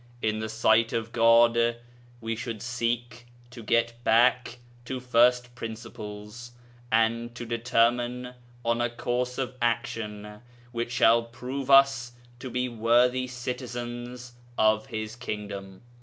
In the sight of God we should seek to get back to first principles, and to determine on a course of action which shall prove us to be worthy citizens of His Kingdom.